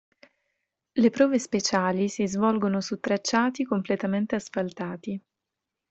Le prove speciali si svolgono su tracciati completamente asfaltati.